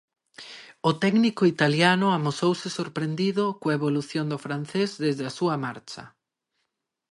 O técnico italiano amosouse sorprendido coa evolución do francés desde a súa marcha.